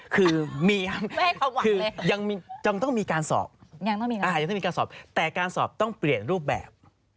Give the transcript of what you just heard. คือมีครับคือยังต้องมีการสอบแต่การสอบต้องเปลี่ยนรูปแบบ